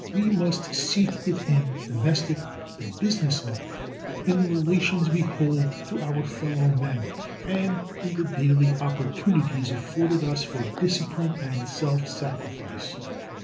We must seek it in domestic and business life, in the relations we hold to our fellow men, and in the daily opportunities afforded us for discipline and self sacrifice.